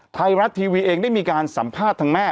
ไทยรัฐทีวีเองได้มีการสัมภาษณ์ทางแม่